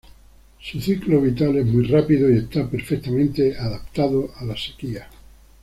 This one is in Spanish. Su ciclo vital es muy rápido y está perfectamente adaptado a la sequía.